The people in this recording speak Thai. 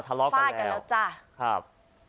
ครับ